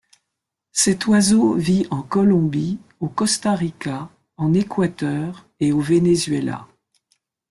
Cet oiseau vit en Colombie, au Costa Rica, en Équateur et au Venezuela.